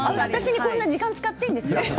私にこんなに時間を使っていいんですか？